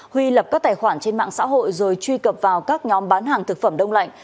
huy lập các tài khoản trên mạng xã hội rồi truy cập vào các nhóm bán hàng thực phẩm đông lạnh